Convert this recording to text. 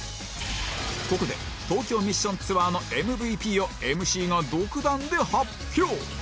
ここで『東京ミッションツアー』の ＭＶＰ を ＭＣ が独断で発表